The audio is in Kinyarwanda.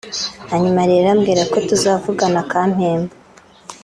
hanyuma rero ambwira ko tuzavugana akampemba